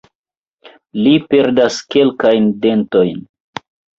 Li perdas kelkajn dentojn.